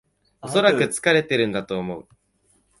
おそらく疲れてるんだと思う